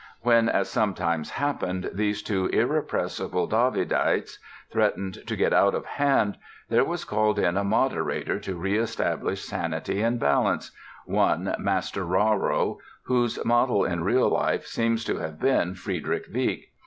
When, as sometimes happened, these two irrepressible Davidites threatened to get out of hand, there was called in a moderator to re establish sanity and balance—one Master Raro, whose model in real life seems to have been Friedrich Wieck.